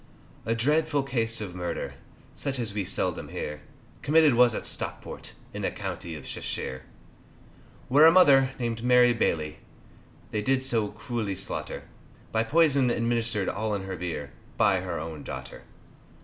A dreadful case of murder, Such as we seldom hear, Committed was at Stockport, In the County of Cheshire. Where a mother, named Mary Bailey, They did so cruelly slaughter, By poison administered all in her beer By her own daughter.